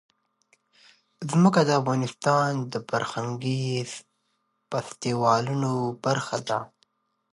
ځمکه د افغانستان د فرهنګي فستیوالونو برخه ده.